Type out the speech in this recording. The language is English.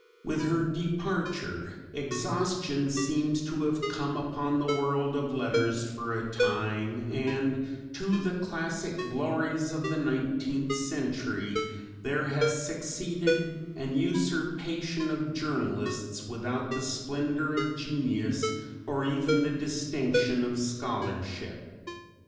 With her departure exhaustion seems to have come upon the world of letters for a time, and to the classic glories of the nineteenth century there has succeeded an usurpation of journalists without the splendour of genius or even the distinction of scholarship.